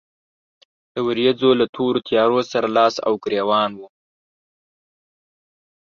د ورېځو له تورو تيارو سره لاس او ګرېوان و.